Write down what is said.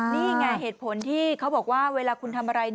นี่ไงเหตุผลที่เขาบอกว่าเวลาคุณทำอะไร